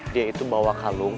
dia itu bawa kalung